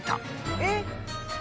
えっ。